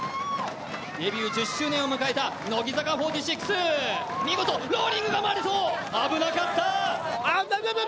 デビュー１０周年を迎えた乃木坂４６、見事、ローリング危なかった。